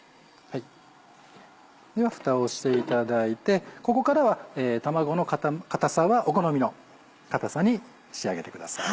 ではふたをしていただいてここからは卵の硬さはお好みの硬さに仕上げてください。